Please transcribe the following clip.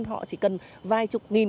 họ chỉ cần vài chục nghìn